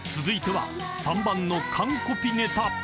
［続いては３番の完コピネタ］